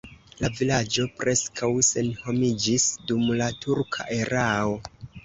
La vilaĝo preskaŭ senhomiĝis dum la turka erao.